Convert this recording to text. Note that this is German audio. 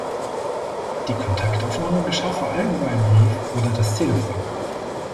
Die Kontaktaufnahme geschah vor allem über einen Brief oder das Telefon.